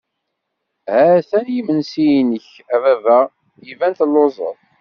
Ha-t-an yimensi-k a baba, iban telluẓeḍ.